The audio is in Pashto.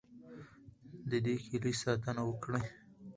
د دې کیلي ساتنه وکړئ.